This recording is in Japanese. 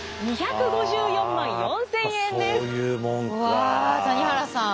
うわ谷原さん